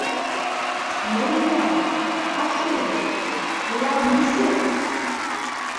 Мәҙинә, Хашим - улар нисек?